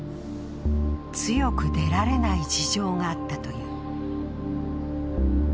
強く出られない事情があったという。